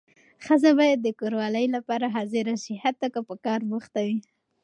ښځه باید د کوروالې لپاره حاضره شي حتی که په کار بوخته وي.